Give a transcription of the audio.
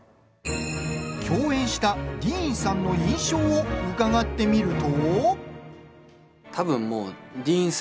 共演したディーンさんの印象を伺ってみると。